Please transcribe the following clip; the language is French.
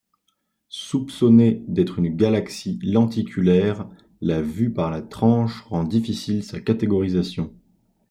Soupçonnée d'être une galaxie lenticulaire, la vue par la tranche rend difficile sa catégorisation.